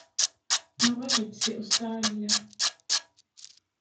Nuɣal-d seg Ustṛalya.